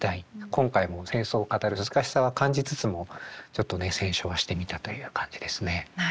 今回も戦争を語る難しさは感じつつもちょっとね選書はしてみたという感じですね。